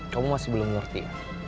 kamu masih belum ngerti